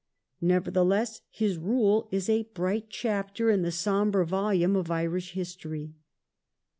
Nevertheless, his rule is a bright chapter in the sombre volume of Irish history.